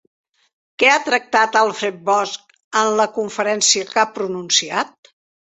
Què ha tractat Alfred Bosch en la conferència que ha pronunciat?